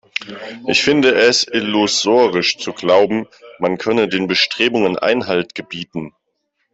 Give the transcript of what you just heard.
Ich finde es illusorisch zu glauben, man könne den Bestrebungen Einhalt gebieten.